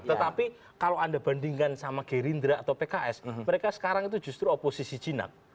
tetapi kalau anda bandingkan sama gerindra atau pks mereka sekarang itu justru oposisi jinak